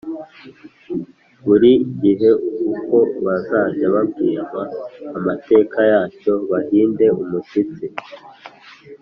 buri gihe uko bazajya babwirwa amateka yacyo bahinde umushyitsi,